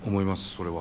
それは。